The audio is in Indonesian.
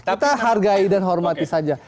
kita hargai dan hormati saja